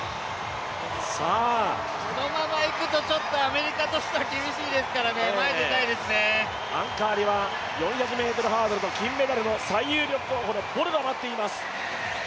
このままいくとちょっとアメリカとしては厳しいですからねアンカーでは４００ｍハードルの最有力候補のボルが待っています。